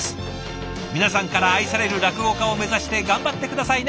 皆さんから愛される落語家を目指して頑張って下さいね！